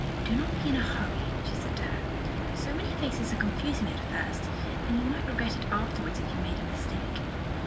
"Do not be in a hurry," she said to her. "So many faces are confusing at first, and you might regret it afterwards if you made a mistake."